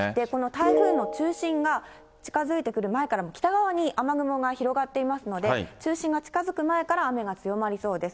台風の中心が近づいてくる前から、北側に雨雲が広がっていますので、中心が近づく前から、雨が強まりそうです。